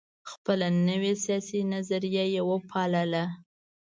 خپله نوي سیاسي نظریه یې وپالله.